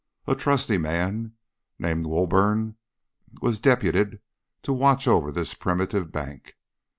A trusty man, named Woburn, was deputed to watch over this primitive bank.